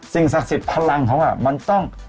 ศักดิ์สิทธิ์พลังเขามันต้อง